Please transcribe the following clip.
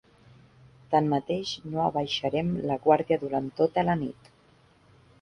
Tanmateix no abaixarem la guàrdia durant tota la nit.